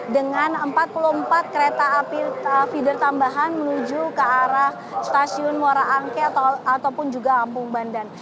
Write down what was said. dengan empat puluh empat kereta api feeder tambahan menuju ke arah stasiun muara angke ataupun juga kampung bandan